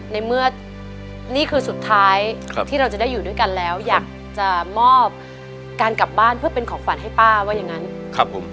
ในเมื่อนี่คือสุดท้ายที่เราจะได้อยู่ด้วยกันแล้วอยากจะมอบการกลับบ้านเพื่อเป็นของขวัญให้ป้าว่าอย่างนั้นครับผม